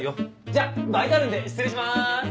じゃあバイトあるんで失礼します！